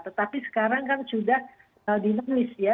tetapi sekarang kan sudah dinamis ya